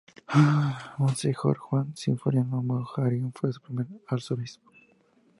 Monseñor Juan Sinforiano Bogarín fue su primer arzobispo.